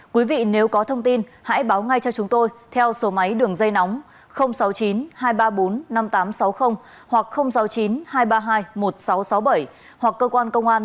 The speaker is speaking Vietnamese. quý vị nếu có thông tin hãy báo ngay cho chúng tôi theo số máy đường dây nóng sáu mươi chín hai trăm ba mươi bốn năm nghìn tám trăm sáu mươi hoặc sáu mươi chín hai trăm ba mươi hai một nghìn sáu trăm năm mươi